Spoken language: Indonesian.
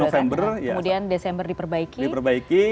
kemudian desember diperbaiki